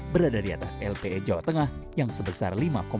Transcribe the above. berada di atas lpe jawa tengah yang sebesar lima empat puluh tujuh